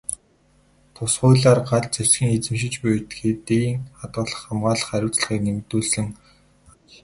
Тус хуулиар галт зэвсэг эзэмшиж буй этгээдийн хадгалах, хамгаалах хариуцлагыг нэмэгдүүлсэн аж.